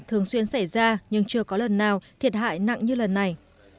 thường xuyên xảy ra nhưng chưa có lần nào thiệt hại nặng như lần này